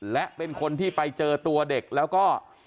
และเป็นคนที่ไปเจอตัวเด็กแล้วก็